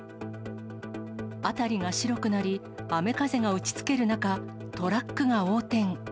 辺りが白くなり、雨風が打ちつける中、トラックが横転。